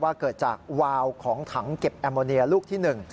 ว่าเกิดจากวาวของถังเก็บแอมโมเนียลูกที่๑